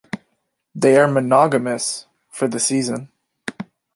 They are monogamous for the season.